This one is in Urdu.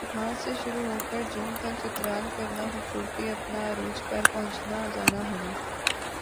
مارچ سے شروع ہوکر جون تک چترال کرنا خوبصورتی اپنا عروج پر پہنچنا جانا ہونا